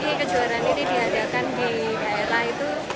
jadi kejuaraan ini diadakan di daerah itu